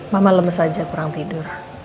mama lemes aja kurang tidur